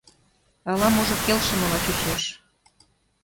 Ала-можо келшымыла чучеш.